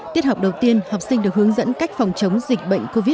tiết học đầu tiên học sinh được hướng dẫn cách phòng chống dịch bệnh covid một mươi chín